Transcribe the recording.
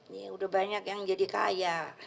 ini udah banyak yang jadi kaya